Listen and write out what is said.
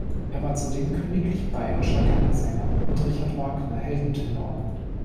Er war zudem königlich-bayerischer Kammersänger und Richard-Wagner-Heldentenor.